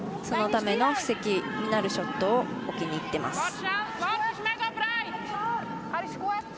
そのための布石になるショットを置きにいっています。